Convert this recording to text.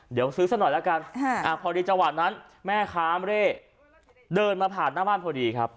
อ้อเดี๋ยวซื้อซักหน่อยแล้วกันค่ะอ่าพอดีจังหวัดนั้นแม่ขามเละเดินมาผ่านหน้าบ้านพอดีครับ